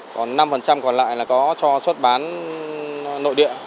còn năm còn lại là có cho xuất bán nội địa